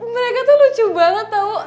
mereka tuh lucu banget tau